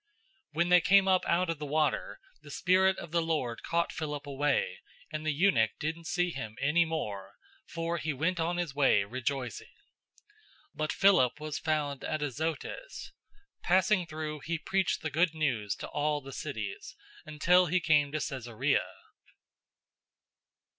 008:039 When they came up out of the water, the Spirit of the Lord caught Philip away, and the eunuch didn't see him any more, for he went on his way rejoicing. 008:040 But Philip was found at Azotus. Passing through, he preached the Good News to all the cities, until he came to Caesarea.